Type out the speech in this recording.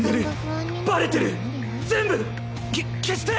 け消して。